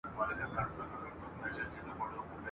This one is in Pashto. نعمتونه که یې هر څومره ډیریږي ..